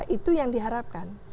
itu yang diharapkan